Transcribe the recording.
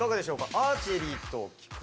アーチェリーと聞くと。